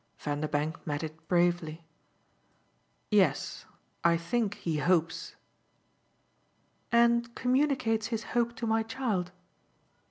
Vanderbank met it bravely. "Yes, I think he hopes." "And communicates his hope to my child?"